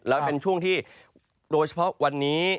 แล้วเป็นช่วงที่โดยเฉพาะวันนี้